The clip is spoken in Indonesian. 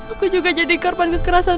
aku juga jadi korban kekerasan